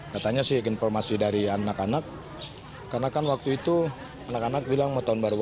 katanya sih informasi dari anak anak karena kan waktu itu anak anak bilang mau tahun baru